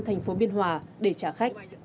thành phố biên hòa để chả khách